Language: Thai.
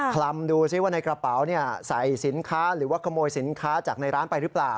ลำดูซิว่าในกระเป๋าใส่สินค้าหรือว่าขโมยสินค้าจากในร้านไปหรือเปล่า